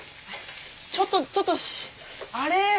ちょっとちょっとあれ？